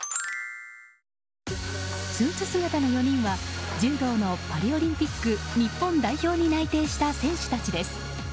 スーツ姿の４人は、柔道のパリオリンピック日本代表に内定した選手たちです。